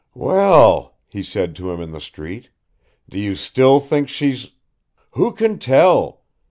"Well," he said to him in the street, "do you still think she's ..." "Who can tell!